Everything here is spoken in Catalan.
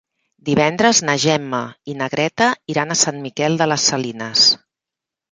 Divendres na Gemma i na Greta iran a Sant Miquel de les Salines.